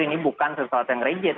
ini bukan sesuatu yang rigid